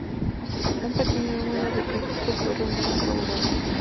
Un pequeño número de críticos fueron menos favorables.